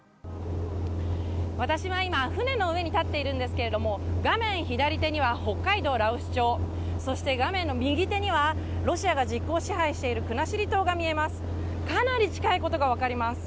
私は今、船の上に立っているんですけれども、画面左手には北海道羅臼町、そして画面の右手には、ロシアが実効支配している国後島が見えます。